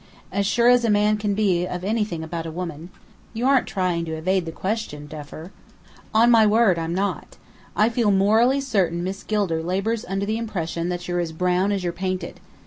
"As sure as a man can be of anything about a woman." "You aren't trying to evade the question, Duffer?" "On my word, I'm not. I feel morally certain Miss Gilder labours under the impression that you're as brown as you're painted.